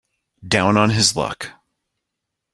Down on his luck.